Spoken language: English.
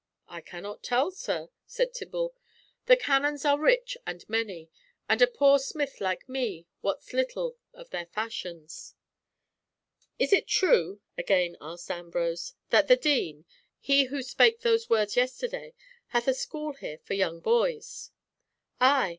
"I cannot tell, sir," said Tibble. "The canons are rich and many, and a poor smith like me wots little of their fashions." "Is it true," again asked Ambrose, "that the Dean—he who spake those words yesterday—hath a school here for young boys?" "Ay.